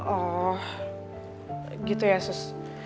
oh gitu ya sus